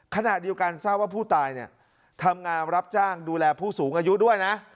ขณะเดียวกันทราบว่าผู้ตายเนี่ยทำงานรับจ้างดูแลผู้สูงอายุด้วยนะ